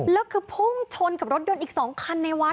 แล้วคือพุ่งชนกับรถยนต์อีก๒คันในวัด